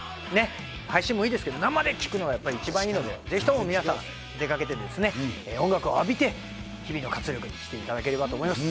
配信もいいですけど生で聴くのが一番いいので、ぜひとも皆さん出かけて、音楽を浴びて、日々の活力にしていただければと思います。